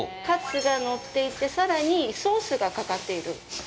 カツが載っていてさらにソースがかかっている。